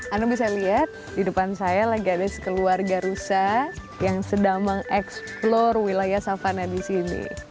anda bisa lihat di depan saya lagi ada sekeluarga rusa yang sedang mengeksplor wilayah savana di sini